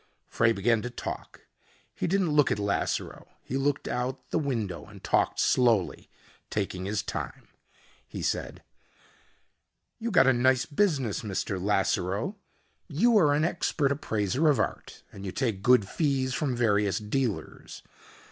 Frey began to talk. He didn't look at Lasseroe. He looked out the window and talked slowly, taking his time. He said, "You got a nice business, Mr. Lasseroe. You are an expert appraiser of art, and you take good fees from various dealers.